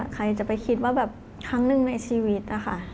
ใครจะไปคิดว่าครั้งหนึ่งในชีวิต